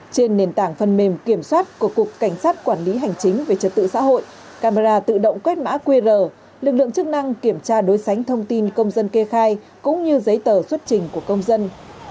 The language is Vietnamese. trên nền tảng phần mềm kiểm soát của cục cảnh sát quản lý hành chính về trật tự xã hội camera tự động quét mã qr lực lượng chức năng kiểm tra đối sánh thông tin công dân kê khai cũng như giấy tờ xuất trình của công dân